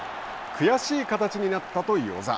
悔しい形になったと與座。